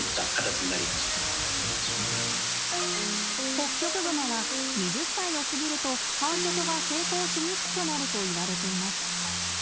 ホッキョクグマは２０歳を過ぎると繁殖が成功しにくくなるといわれています。